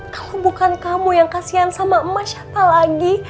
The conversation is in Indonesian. kalau bukan kamu yang kasihan sama emak siapa lagi